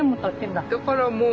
だからもう。